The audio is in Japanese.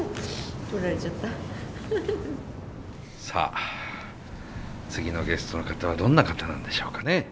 さあ次のゲストの方はどんな方なんでしょうかね。